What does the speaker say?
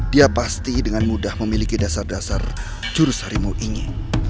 dia pasti dengan mudah memiliki dasar dasar jurus harimau ini